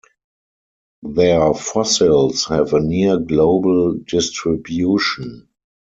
Their fossils have a near global distribution.